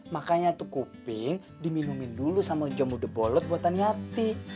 makanya tuh kuping diminumin dulu sama jemur debolot buatan yati